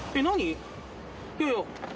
いやいや。